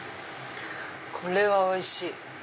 これはおいしい！